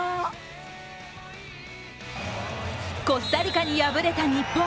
コスタリカに敗れた日本。